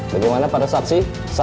bagaimana pada saksi